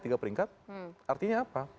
berbeda dua peringkat artinya apa